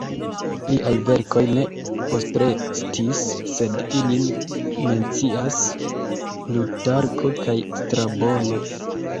Liaj verkoj ne postrestis, sed ilin mencias Plutarko kaj Strabono.